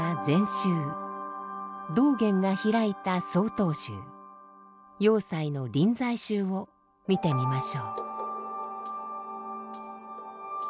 道元が開いた曹洞宗栄西の臨済宗を見てみましょう。